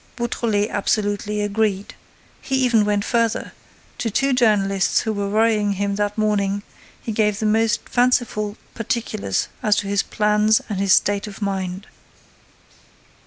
Beautrelet absolutely agreed. He even went further: to two journalists who were worrying him that morning he gave the most fanciful particulars as to his plans and his state of mind.